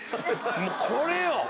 もうこれよ！